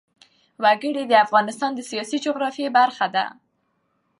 وګړي د افغانستان د سیاسي جغرافیه برخه ده.